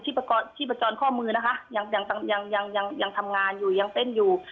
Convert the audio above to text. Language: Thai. ชีพจรข้อมือนะคะยังทำงานอยู่ยังเต้นอยู่